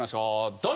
どうぞ！